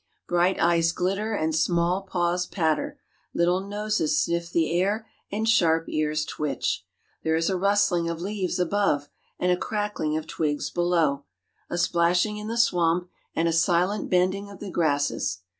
Bright eyes glitter and small paws patter, little noses sniff the air and sharp ears twitch. There is a rustling of leaves above and a crackling of twigs below, a splashing in the swamp and a silent bending of the grasses.